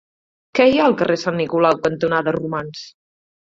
Què hi ha al carrer Sant Nicolau cantonada Romans?